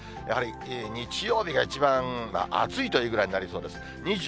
やはり日曜日が一番暑いというぐらいになりそうです。